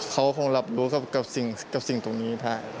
เขาคงรับรู้กับสิ่งตรงนี้ได้